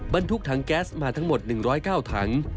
บรรทุกถังแก๊สมาทั้งหมด๑๐๙ถัง